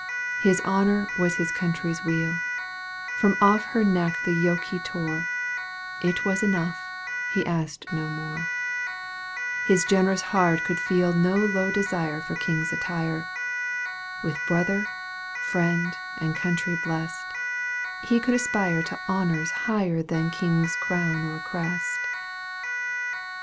His honor was his country's weal; From off her neck the yoke he tore It was enough, he asked no more; His generous heart could feel No low desire for king's attire; With brother, friend, and country blest, He could aspire to honors higher Than kingly crown or crest.